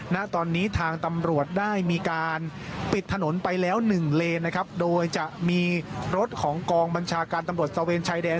ณตอนนี้ทางตำรวจได้มีการปิดถนนไปแล้วหนึ่งเลนนะครับโดยจะมีรถของกองบัญชาการตำรวจตะเวนชายแดน